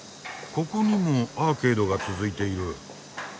ここにもアーケードが続いている。